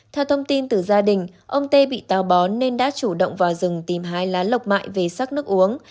theo thông tin từ gia đình ông t bị tào bó nên đã chủ động vào rừng tìm hai lá lọc mại về sắc nước uống